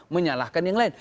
menyalahkan yang lain